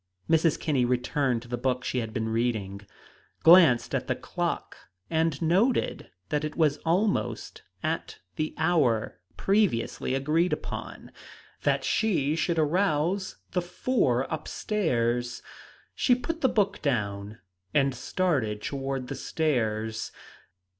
Mrs. Kinney returned to the book she had been reading, glanced at the clock, and noted that it was almost at the hour, previously agreed upon, that she should arouse the four up stairs. She put the book down and started toward the stairs.